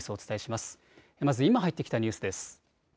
まず今、入ってきたニュースです。